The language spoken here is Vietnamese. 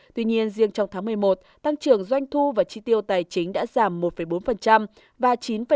tuy nhiên riêng trong tháng một mươi một tăng trưởng doanh thu và chi tiêu tài chính đã giảm một bốn và chín tám